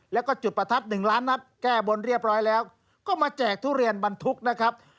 แล้วก็จุดประทัดหนึ่งล้านนัดแก้บนเรียบร้อยแล้วก็มาแจกทุเรียนบรรทุกนะครับ